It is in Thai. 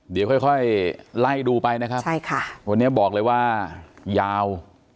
เดี๋ยวค่อยค่อยไล่ดูไปนะครับใช่ค่ะวันนี้บอกเลยว่ายาว